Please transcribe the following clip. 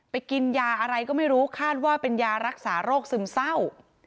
กินยาอะไรก็ไม่รู้คาดว่าเป็นยารักษาโรคซึมเศร้า